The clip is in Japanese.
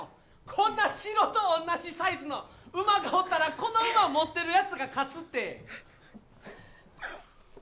こんな城と同じサイズの馬がおったら、この馬、持ってる奴が勝つって。